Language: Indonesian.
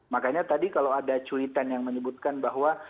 makanya tadi kalau ada cuitan yang menyebutkan bahwa